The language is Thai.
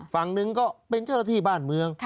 ฝั่งหนึ่งก็เป็นเจ้าหน้าที่บ้านเมือง